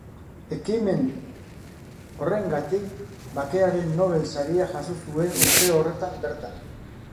Ekimen horrengatik Bakearen Nobel saria jaso zuen urte horretan bertan.